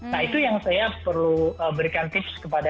nah itu yang saya perlu berikan tips kepada